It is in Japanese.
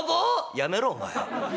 「やめろお前。